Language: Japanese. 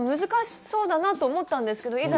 難しそうだなと思ったんですけど